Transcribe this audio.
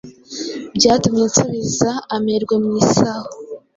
Byatumye nsubiza amerwe mu isaho,